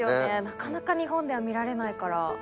なかなか日本では見られないから。